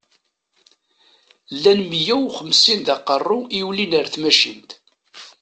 Llan miyya u xemsin d aqeṛṛu i yulin ar tmacint.